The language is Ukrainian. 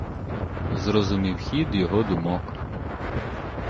Зрозумів хід його думок.